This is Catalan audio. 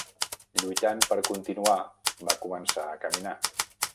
Lluitant per continuar, va començar a caminar.